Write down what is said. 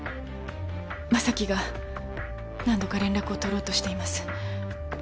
将貴が何度か連絡を取ろうとしています。